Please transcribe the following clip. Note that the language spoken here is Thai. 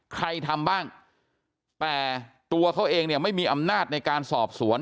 ใครทำบ้างแต่ตัวเขาเองเนี่ยไม่มีอำนาจในการสอบสวน